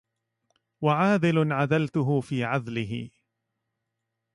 وعاذل عذلته في عذله